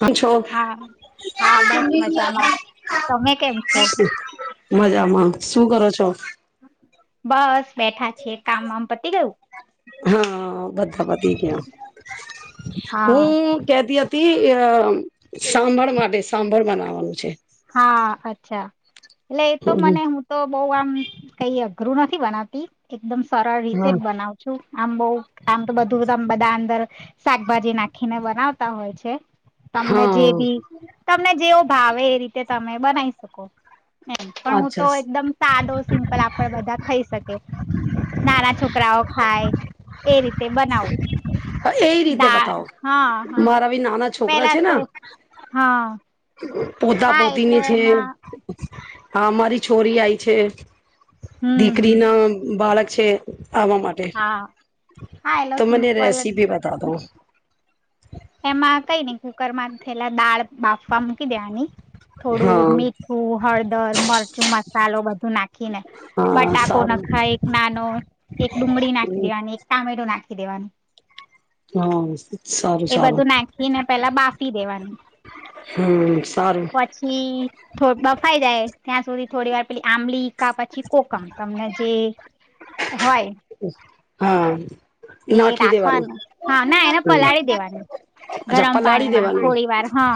કાં છો, હા હા બસ મજામાં તમે કેમ છો? મજામાં શું કરો છો? બસ. બેઠા છીએ કામ વામ પતી ગયું? હા, બધા પતી ગયા. હા હું કેતી હતી. તે સંભાળ માટે સંભાળ બનાવવાનું છે. હા અચ્છા એટલે એ તો મને, હમ હું તો. બહુ આમ કંઈ અઘરું નથી બનાવતી. એકદમ સરળ રીતે હા જ બનાવુ છું. આમ બહુ, આમ તો બધું બધા અંદર શાકભાજી નાખીને બનાવતા હોય છે. તમને જે બી, હા તમને જેવુ. હાવે કરી. તે તમે બનાવી શકો? એ પણ હું અચ્છા તો એકદમ સાદો, સિમ્પલ આપડે બધા ખાઈ શકે. નાના છોકરાઓ ખાય. એ રીતે બનાવું. હ, એ રીતે દા બતાવો, હા હા મારા બી નાના છોકરા પેલા છે ને. તો હા પોતા હા એટલે પોતીની છે. એમાં હા, મારી છોરી આય છે. હમ હમ દીકરી ના બાળક છે આવવા માટે હા હા એલો તો મને સિમ્પલ જ. રેસીપી બતા દો એમાં કઈ નઈ કુકર માં થયેલા દાળ બાફવા મકી દેવાની હા થોડું મીઠું હળદર મરચું મા ચાલો બધ નાખીને હા બટાકો સારું નાખાય એક નાનો એક ડુંગળી નાખી દેવા એક ટામેટો નાખી [unintelligible] દવાનું હા એ બધું નાખીને પેલા બાફી દેવાનું હમ સારું પછી થો બફાઈ જાય ત્યાં સુધી થોડી વાર પેલી આંબલી કા પછી કોકમ તમને જે હોય હા એ નાખી દેવાનું રાખવાનું હા ના એને હમ પલાળી દેવાનું અચ્છા ગરમ પલાળી પાણીમાં દેવાનું થોડી વાર હા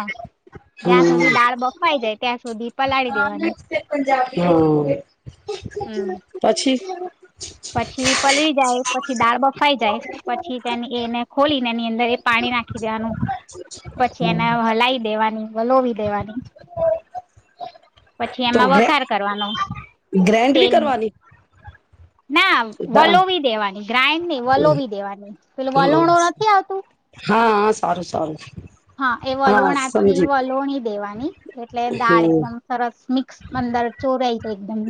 જ્યાં સુધી દાળ બફવાઈ જાય ત્યાં સુધી પલાળી હું દેવાની હમ પછી પછી પલળી જાય પછી દાળ બફાઈ જાય પછી તેની એને ખોલીને એની અંદર એ પાણી નાખી દેવાનું પછી એને હલાઈ દેવાની વલોવી દેવાની પછી તો એમાં ગ્રે વઘાર કરવાનો ગ્રેન્ડ બી તેલ કરવાની ના દા વલોવી દેવાની ગ્રાઇન્ડ નઈ વલોવી દેવાની પેલુ વલણો નથી આવતું હા હા સારું સારું હા એ હા વલોણાથી સમજી વલોણી દેવાની એટલે દાળ હમ એકદમ સરસ મિક્સ અદર ચોરય એકદમ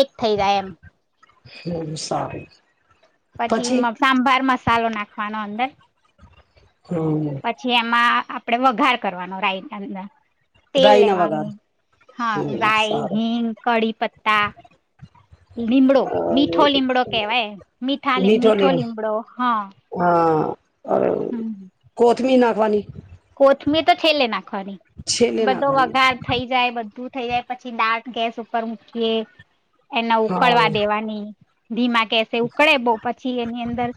એક થઈ જાય એમ હમ સારું પછી સાંભાર મ સાલો નાખવાનો અંદર હમ પછી એમાં આપડે વઘાર કરવાનો રાઈટ અંદર તેલ રાય ના વઘાર લેવાનું હા હમ રાઈ સારું હિંગ કઢી પત્તા લીમડો મીઠો લીમડો કેહેવાય મીઠા મીઠો લીમડો હા અ કોથમી ના વની કોથમી તો છેલે ના ખવાની છેલ્લે બધો નાખવાની વઘાર થઈ જાય બધું થઈ જાય પછી દાળ ગેસ ઉપર મુૂકીએ એને હા ઉકળવા દેવાની ધીમા કેસે ઉકળે બહુ પછી એની અંદર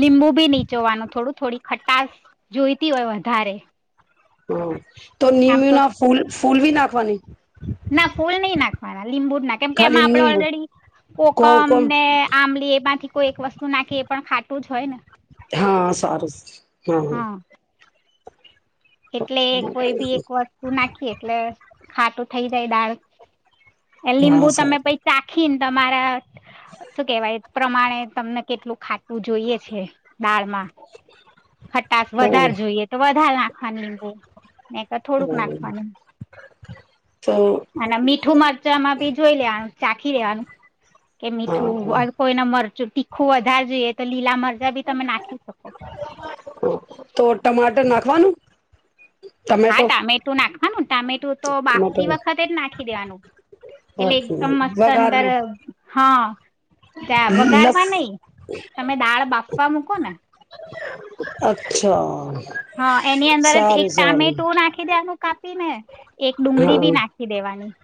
લીંબુ બી નીચોવાનું થોડું થોડી ખટાસ જોઈ તી હોય વધારે હમ તો આમ લીંબુ તો ના ફૂલ ફૂલ બી નાખવાની ના ફૂલ નહી નાખવાના લીંબુ ના કેમ કે ખાલી એમાં આપડે નીંબુ ઓલરેડી કો કોકમ કોમ ને આ એમાંથી કોઈ એક વસ્તુ નાખે એ પણ ખાટું જ હોય ને હા સારું હમ હા એટલે કોઈ બી એક વસ્તુ નાખી એટલે ખાટું થઈ જાય દાળ એ હા લીંબુ તમે પછી ચાખીને તમારા શું કેવાય પ્રમાણે તમને કેટલું ખાટું જોઈએ છે દાળમાં ખટશ સારું વધારે જોઈએ તો વધારે ના હા લીંબુ ને થોડુંક નાખવાનું તો અને મીઠું મરચામાં બી જોઈ લેવાનું ચાખી લેવાનું કે હા મીઠું કોઈના મરચું ટી ખુ વધારે જોઈએ તો લીલા મર [unintelligible] ટમાટર નાખવાનું. હા ટમેટો ટામેટું નાખવાનું ટામેટું તો ટમેટો બાફતી વખતે જ નાખી દેવાનું એટલે એકદમ મસ્ત વઘાર મે અંદર હા લસ વગારમાં નહી તમે દાળ બાફ વા મૂકો ને અચ્છા હા એની અંદર જ એક સારું સારું ટામેટો નાખી દેનું કાપી ને એક ડુંગળી બી હા નાખી દેવાની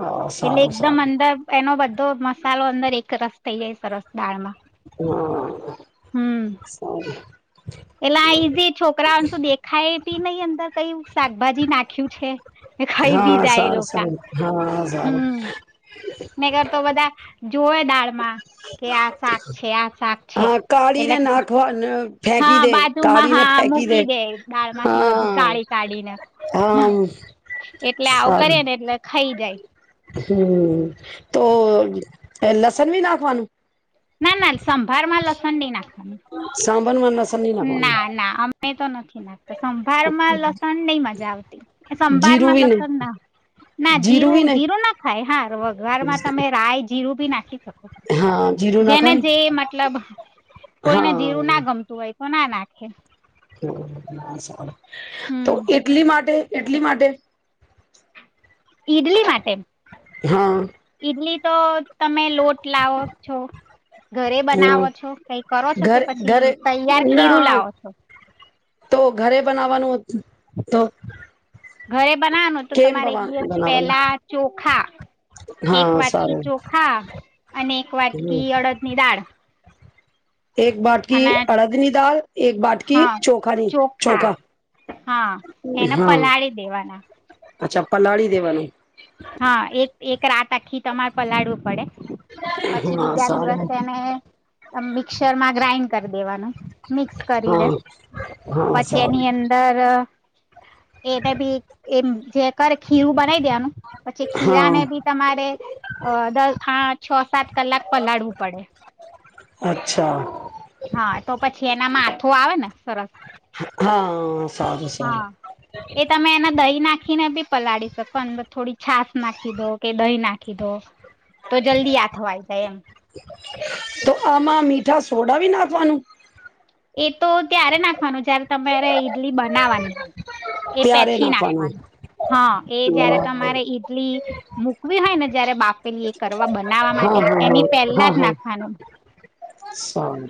હા એટલે સારું એકદમ સારું અંદર એનો બધ તો મસાલો અંદર એક રસ થઇ જાય સરસ દાળમાં હા હમ સ એટલે આ ઈઝી છોકરાઓને શું દેખાય ની અંદર કઈ શાકભાજી નાખ્યું છે ખાઈ બી હા જાય એ સારું સાર લોકા હા સારું કરર તો બધા જોવે દાળમાં કે આ શાક છે આ શાક છે હા એટલે કાળીને ના ખવા ફેંકી હા દે બાજુમાં કાળીને હા ફેંકી દે મૂકી દાળ માંથી બધું હા ગાળી કાઢીને હા એટલે આવું કરીએ સારું ને એટલે ખાઈ જાય હમ તો એ લસણ ભી ના ખવાનું નાન સંભ હરમાં લોસડી નાખવાની [unintelligible] નહી નાખવાનું ના ના અમે તો નથી ના સંભાર માં લસણ નહી મજા આવતી એ સંભાર જીરું માં બી નહી લસણ ના ના જીરું બી નહી જીરો ના ખાય વઘર માં તમે રાય જ જીું બ નાખી થક હા જીરું જેને નાખાય જે મતલબ કોઈને હા જીરું ના ગમતું ના નાખે? [unintelligible] તો હમ એટલી માટે એટલી માટે? ઈડલી માટે. હા. ઈડલી તો તમે લોટ લાવો છો, ઘરે હમ બનાવો છો કઈ કરો છો કે ઘરે પછી ઘરે તૈયાર ના ખીરું લાવો છો? તો ઘરે બનાવવાનું તો ઘરે બનાવવાનું તો કેમ તમારે એક બના દિવસ બનાવાનું પેલા ચોખા, એક હા વાટકી સારું ચોખા અને એક વાટકી અડદની દાળ. એક બાટકી અને અડદની દાલ એક બાટકી હા ચોખાની ચોખા, હા એને હા. પલાળી દેવાના અચ્છા પલાળી દેવાનું. હા એક એક રાત આખી તમારે પલાળવું પડે. પછી હા બીજા સારું દિવસે એને મિક્સર માં ગ્રાાઈન્ડ કરી દેવાનું, મિક્સ કરીને, હા હા પછી સારું એની અંદર એને ભી એમ જે કરે ખીરું બનાવી દેનું. પછી ખીરા ને હા બી તમારે, દસ આ છ સાત કલાક પલાળવું પડે. અચ્છા. હા તો પછી એના માથો આવે ને સરસ, હા સારું હા સારું એ તમે એને દહી નાખી નાખીને બી પલાળી શકો અંદર થોડી છાસ નાખી દો કે દહી નાખી દો. તો જલ્દી આ થવાઈ જાય એમ. તો આમાં મીઠા સોડા બી નાખવાનું? એટ તો ત્યારે નાખવાનું જયારે તમારે ઈડલી બનાવાની હોય, એ પછી નાખવાનું, હા એ જયારે હા તમારે ઈડલી મૂકવી હોય ને જયારે બાપેલી એ કરવા બનાવા માટે હા હા એની પહેલા હા જ હા નાખવાનું,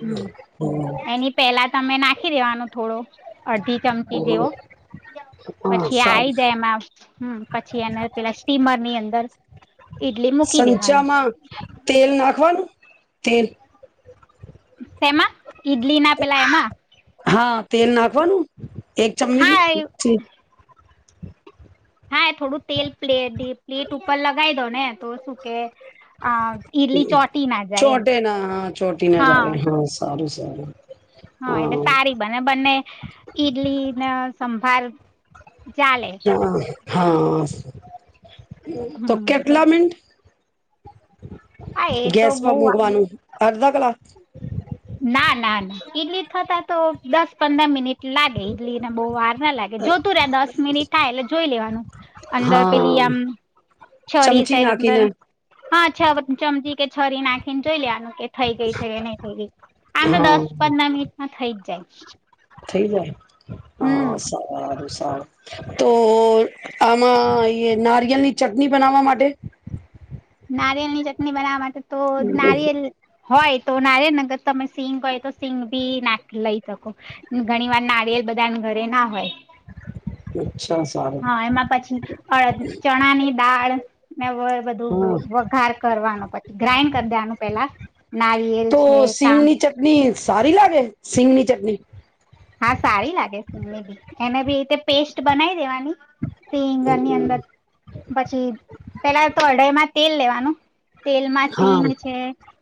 હમ. એની પેલા તમે નાખી દેવાનો થોડો. અડધી ચમચી જેવો, હા પછી આવી સારું જાય એમાં હ પછી એને પેલા સ્ટીમર ની અંદર ઈડલી મૂકી દેવાની. સંચામાં તેલ નાખવાનું તેલ. તેમાં ઈડલી ના પેલા એમાં. હા તેલ નાખવાનું? એક હા એ ચમીઠી. હા એ થોડું તેલ પ્લે પ્લેટ ઉપર લગાવી દો ને તો શું કે, ઈડલી ચોટી ના જાય એમ, ચોટે ના હા. સારૂ. હા એટલે સારી બને બંને ઈડલી ને સમ ફાર હા હા તો હમ કેટલા મિંન્ટ હા એ તો બહુ ગેસમાં મૂકવાનું અર્ધા કલા ના ના ના ઈડલી થતા તો દસ પંદર મિનિટ લાગે ઈડલીને બહુ વાર ના લાગે જોતું રે દસ મિનિટ થાય એટલે જોઈ લેવાનું અંદર પેલી હા આમ છરી ચમચી સાઈડ અંદર નાખીને હા છ ચમચી કે છરી નાખીને જોઈ લેવાનું એ થઈ ગઈ છે કે નહી થો આમ તો હા દસ પંદર મિનિટ માં થઈ ગ જાય થઈ જાય હમ હા સ આ. તો આમાં અંયા નારિયેલ ની ચટણી બનાવવા માટે નારિયેલ ની ચટણી બનાવવા માટે તો નારિયેલ હોય તો નારિયલ નગર તમે સિંગ હોય તો સિંગ ભી નાખ લઈ શકો, ઘણી વાર નારિયેલ બધાને ઘરે ના હોય. [inaudible] સારું હા એમાં પછી અ ચણાની દાળ મે [unintelligible] બધું વ હા વઘાર કરવાનો પછી ગ્રાાઈન્ડ કર દેવાનું પેલા નારિયેલ તો છે કામ સિંગની ચટણી સારી લાગે? સિંગની ચટણી. હા સારી લાગે સિંગની બી, એને બી એ રીતે પેસ્ટ બનાઈ દેવાની સિંગની અંદર, પછી પેલા તો અડાઈમાં તેલ લેવાનું તેલમાં હા સિંગ, છે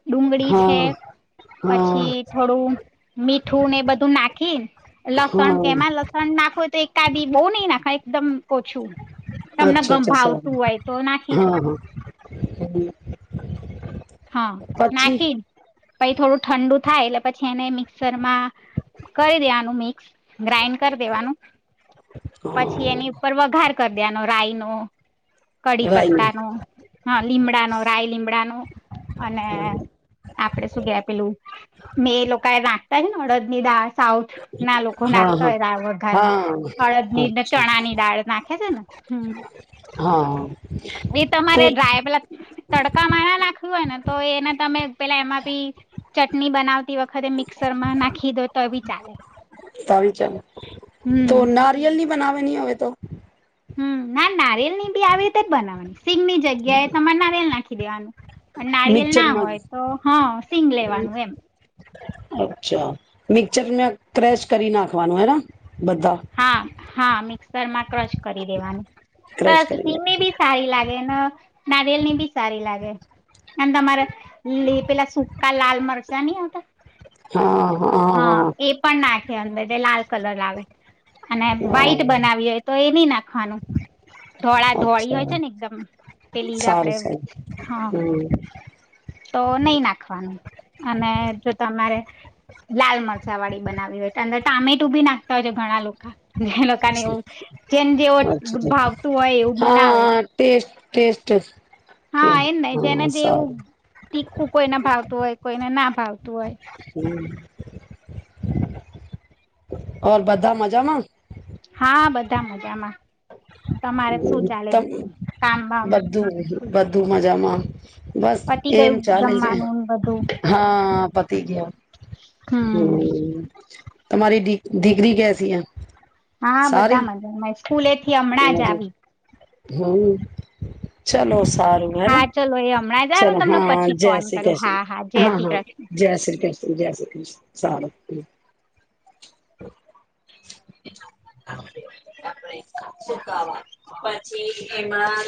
ડુંગળી છે, હા હા પછી થોડું, મીઠું ને એ બધું નાખ [unintelligible] હા લસણ એમાં લસણ નાખવું તો એક કાદી બહુ નય નાખાય એકદમ ઓછું તમને અચ્છા ગંમ અચ્છા ભાવતું સારું હોય તો નાખી હા શકો. હા હા પછી નાખી પય થોડું ઠંડુ થાય એટલે પછી એને મિક્સર માં કરી દેવાનું મિક્સ ગ્રાઈન્ડ કરી દેવાનું પછી એની ઉપર વઘાર કર દેવાનો રાય નો. કડી રાયનું પત્તા નો હા લીમડા નો રાય લીમડા નો. અને આપડે શું કેવાય પેલું મેં લોકોએ રા [unintelligible] અળડ ની દાર સાઉથ ના લોકો હા નાખતા હા હોય દાળ વઘારમાં, હા અળદ ની અચ્છા ચણા ની દાળ નાખે છે ને, હમ્મ. હા. એ તો તમારે ડ્રાય પેલા તડકા મા ના નાખું હોય ને તો એને તમે પેલા એમાં પી ચટણી બનાવતી વખતે મિક્સર માં નાખી દો તો બી ચાલે, તારી ચાલ તો હમ્મ. નારિયેલની બનાવેની હવે તો હમ્મ ના નાર ની આવીતે જ બનાવવાની સિંગ ની જગ્યાએ તમારે નારિયેલ નાખી ખીદેવનું. નારિયલ ના મિક્ચરમાં હોય તો હા સિંગ લેવાનું એમ. અચ્છા મિક્ચર ને ક્રેશ કરી નાખવાનું હેના. હા હા મિક્સરમાં ક્રશ કરી દેવાનું ક્રેશ સરસ કરી ધી નાખવાનું. બી સારી લાગે. નારિયેલ ની બી સારી લાગે. અને તમારે લ પેલા સુકા લાલ મર ચા નઈ આવતા. હા એ પણ નાખે અંદર તે લાલ કલર લાવે. અને હા વ્હાઈટ હા બનાવી હોય તો એ નઈ નાખવાનું. ધોળા ધોળી અચ્છા હોય છે ને એકદમ પેલી આપડે સારું સારું હા. હમ તો નહી નાખવાનું અને જો તમારે લાલ મરચા વાળી બનાવી હોય તો અંદર ટામેટું બી નાખતા હો છે ઘણા લોકા. જે લોકો ને એવું જેમ જેવો અચ્છા ભાવતું હોય એવું બનાવે. હા ટેસ્ટ ટેસ્ટ કે હા એ ન જેને હા જેવું સારું તીખું કોઈના ભાવ હોય કોઈને ના ભાવતું હોય. ઓર બધા મજામાં. હા બધા મજામાં. તમારે શું [unintelligible] ચાલે ઉતમ બીજું કામ બામ બધું. બધું મજામાં બસ પતી એમ ગયું ચાલે છે જમવાનું ને બધું હા પ [unintelligible] ગયા હમ તમારીી હા બધા મજા સ્કૂલેથી હમણાં જ આવી હમ ચલોો સારું હા હેના ચલો એ હમણાં જ આવ્યું ચલોો ને તમને હા પછી જય ફોન શ્રી કરું કૃષ્ણ હા જય હા શ્રી હા કૃષ્ણ જય શ્રી કૃષ્ણ જય શ્રી ક્રષ્ણ સારુ એમાં